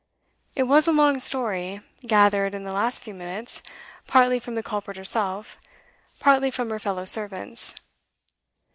It was a long story, gathered, in the last few minutes, partly from the culprit herself, partly from her fellow servants.